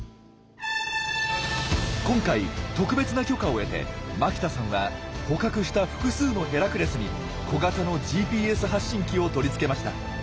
今回特別な許可を得て牧田さんは捕獲した複数のヘラクレスに小型のＧＰＳ発信機を取り付けました。